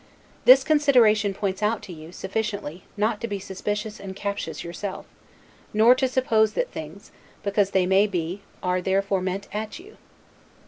This consideration points out to you, sufficiently, not to be suspicious and captious yourself, nor to suppose that things, because they may be, are therefore meant at you.